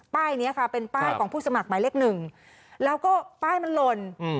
นี้ค่ะเป็นป้ายของผู้สมัครหมายเลขหนึ่งแล้วก็ป้ายมันหล่น